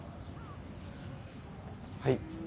はい。